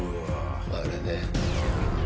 あれね。